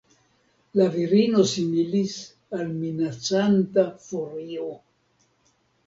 La virino similis al minacanta furio.